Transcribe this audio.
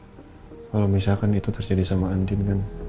aku cuma ngebayangin aja kalau misalkan itu terjadi sama andin kan